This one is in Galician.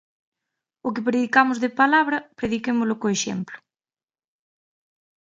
O que predicamos de palabra prediquémolo co exemplo.